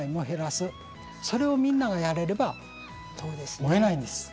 それをみんながやれれば燃えないんです。